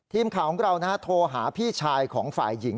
ทีมข่าวของเราโทรหาพี่ชายของฝ่ายหญิง